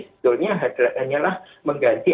sebetulnya adalah mengganti